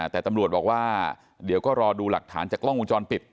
แต่ตำรวจบอกว่าเดี๋ยวก็รอดูหลักฐานจากกล้องวงจรปิด